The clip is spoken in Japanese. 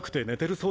そう。